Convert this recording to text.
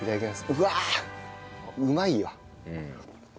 うわあうまいよ。